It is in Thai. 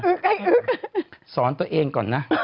สอนตัวเองก่อนนะ